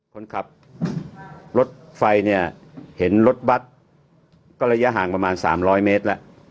คนขับรถไฟเนี่ยเห็นรถบัตรก็ระยะห่างประมาณ๓๐๐เมตรแล้ว